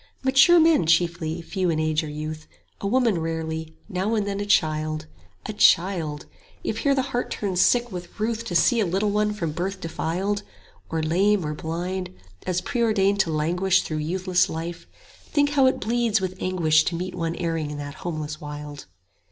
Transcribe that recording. Mature men chiefly, few in age or youth, A woman rarely, now and then a child: A child! If here the heart turns sick with ruth To see a little one from birth defiled, 60 Or lame or blind, as preordained to languish Through youthless life, think how it bleeds with anguish To meet one erring in that homeless wild.